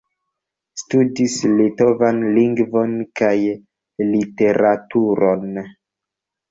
Studis litovan lingvon kaj literaturon.